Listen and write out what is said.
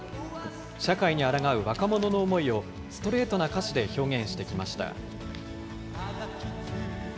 社会にあらがう若者の思いを、ストレートな歌詞で表現してきました。